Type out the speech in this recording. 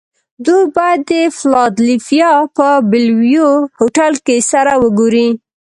دوی باید د فلادلفیا په بلوویو هوټل کې سره و ګوري